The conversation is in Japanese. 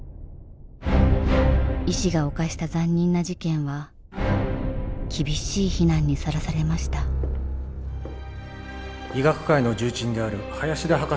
医師が犯した残忍な事件は厳しい非難にさらされました医学界の重鎮である林田博士にお尋ねします。